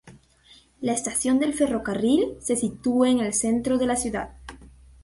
La estación del ferrocarril se sitúa en el centro de la ciudad.